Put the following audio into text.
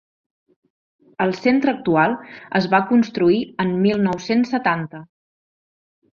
El centre actual es va construir en mil nou-cents setanta.